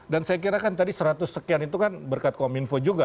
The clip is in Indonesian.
dan saya kira kan tadi seratus sekian itu kan berkat kominfo juga